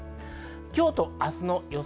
今日と明日の予想